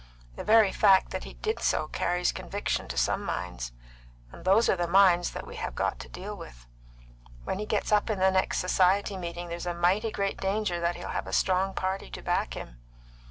The very fact that he did so carries conviction to some minds, and those are the minds we have got to deal with. When he gets up in the next Society meeting there's a mighty great danger that he'll have a strong party to back him."